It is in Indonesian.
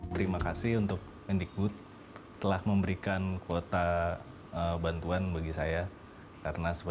terima kasih untuk mendikbud telah memberikan kuota data internet